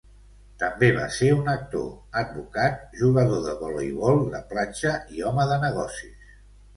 També va ser un actor, advocat, jugador de voleibol de platja, i home de negocis.